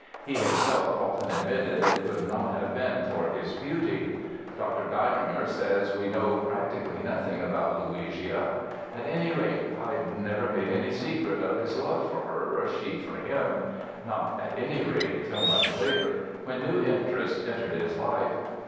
He himself often admitted it could not have been for his beauty. Dr. Geiringer says that we know "practically nothing about Luigia." At any rate Haydn never made any secret of his love for her or she for him—not, at any rate, till much later, when new interests entered his life.